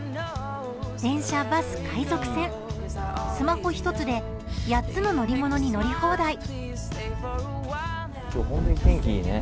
電車、バス、海賊船、スマホ一つで８つの乗り物に乗り放題。